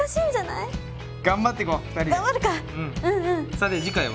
さて次回は？